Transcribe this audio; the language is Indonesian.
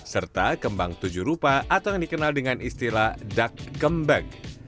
serta kembang tujuh rupa atau yang dikenal dengan istilah dak kembek